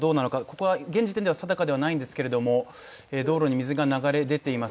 ここは現時点では定かではないんですが道路に水が流れ出ています。